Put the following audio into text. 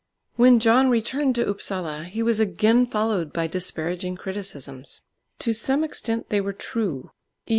When John returned to Upsala, he was again followed by disparaging criticisms. To some extent they were true, _e.